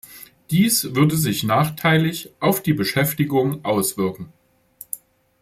Dies würde sich nachteilig auf die Beschäftigung auswirken.